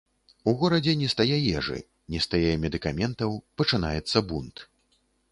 У горадзе не стае ежы, не стае медыкаментаў, пачынаецца бунт.